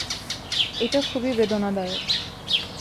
এটা খুবই বেদনাদায়ক।